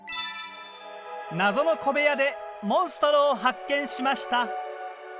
謎の小部屋でモンストロを発見しました。